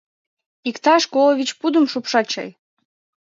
— Иктаж коло вич пудым шупшат чай.